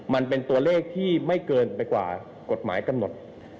มันเป็นตัวเลขที่ไม่เกินไปกว่ากฎหมายกำหนด